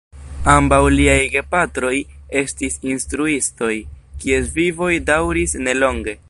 Ambaŭ liaj gepatroj estis instruistoj, kies vivoj daŭris ne longe.